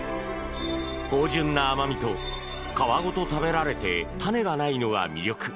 芳醇な甘みと、皮ごと食べられて種がないのが魅力。